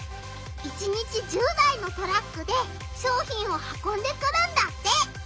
１日１０台のトラックで商品をはこんでくるんだって！